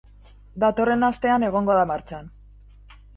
Datorren astean egongo da martxan.